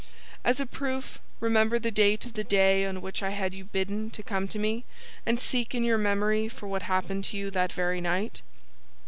As a proof, remember the date of the day on which I had you bidden to come to me, and seek in your memory for what happened to you that very night."